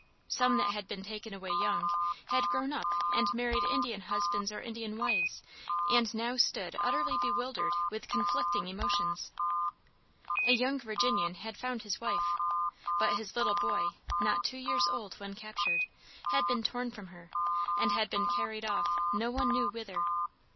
Some that had been taken away young, had grown up and married Indian husbands or Indian wives, and now stood utterly bewildered with conflicting emotions. A young Virginian had found his wife; but his little boy, not two years old when captured, had been torn from her, and had been carried off, no one knew whither.